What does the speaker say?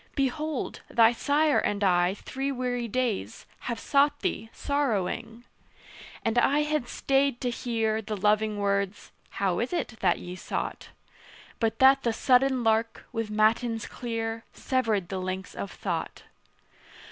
Behold, thy sire and I, three weary days, Have sought thee sorrowing." And I had stayed to hear The loving words "How is it that ye sought?" But that the sudden lark, with matins clear, Severed the links of thought.